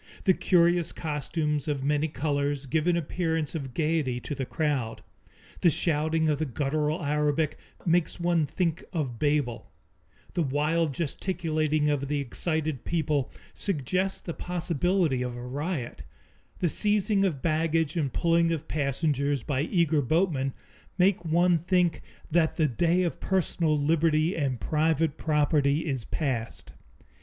The curious costumes of many colors give an appearance of gayety to the crowd; the shouting of the guttural Arabic makes one think of Babel; the wild gesticulating of the excited people suggests the possibility of a riot; the seizing of baggage and pulling of passengers by eager boatmen make one think that the day of personal liberty and private property is passed.